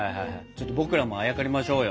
ちょっと僕らもあやかりましょうよ。